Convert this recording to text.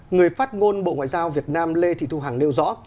người phát ngôn bộ ngoại giao việt nam lê thị thu hằng nêu rõ